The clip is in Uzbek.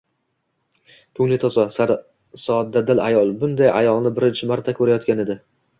Ko‘ngli toza, soddadil ayol… Bunday ayolni birinchi marta ko‘rayotgan edi